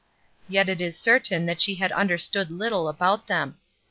Yet it is certain that she had under stood Uttle about them.